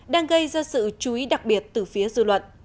đang gây ra sự chú ý đặc biệt từ phía dư luận